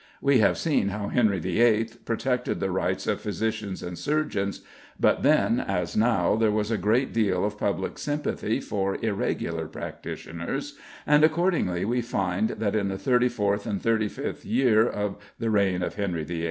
We have seen how Henry VIII. protected the rights of physicians and surgeons, but then, as now, there was a great deal of public sympathy for irregular practitioners, and accordingly we find that in the thirty fourth and thirty fifth year of the reign of Henry VIII.